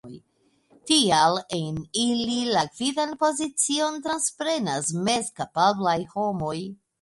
Tial en ili la gvidan pozicion transprenas mezkapablaj homoj.